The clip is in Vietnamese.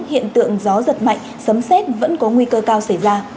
giật mạnh sớm rét vẫn có nguy cơ cao xảy ra